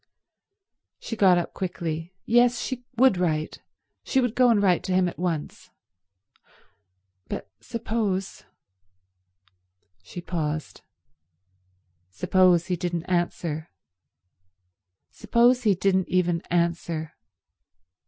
She got up quickly. Yes, she would write. She would go and write to him at once. But suppose— She paused. Suppose he didn't answer. Suppose he didn't even answer.